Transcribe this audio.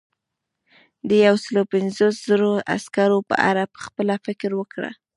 د یو سلو پنځوس زرو عسکرو په اړه پخپله فکر وکړه.